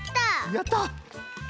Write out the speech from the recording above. やった！